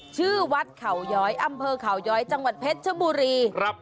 ชื่อวัดเขาย้อยอำเภอเขาย้อยจังหวัดเพชรชบุรีครับ